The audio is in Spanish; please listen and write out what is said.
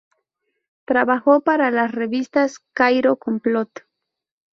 Trabajó para las revistas Cairo, Complot!